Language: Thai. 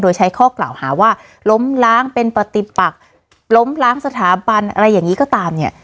โดยใช้ข้อกล่าวหาว่าล้มล้างเป็นปฏิปักล้มล้างสถาบันอะไรอย่างนี้ก็ตามเนี่ย